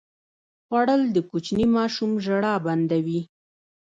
خوړل د کوچني ماشوم ژړا بنده وي